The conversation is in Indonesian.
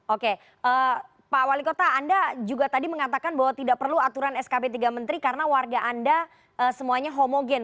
oke pak wali kota anda juga tadi mengatakan bahwa tidak perlu aturan skb tiga menteri karena warga anda semuanya homogen